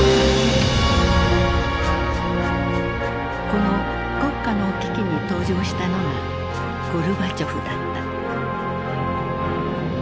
この国家の危機に登場したのがゴルバチョフだった。